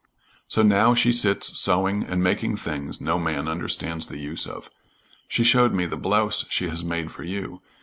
So now she sits sewing and making things no man understands the use of. She showed me the blouse she has made for you.